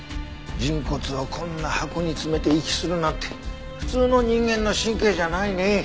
人骨をこんな箱に詰めて遺棄するなんて普通の人間の神経じゃないね。